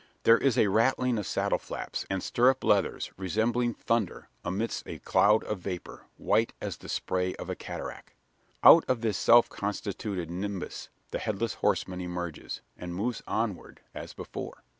There is a rattling of saddle flaps, and stirrup leathers, resembling thunder, amidst a cloud of vapour, white as the spray of a cataract. Out of this self constituted nimbus, the Headless Horseman emerges; and moves onward, as before.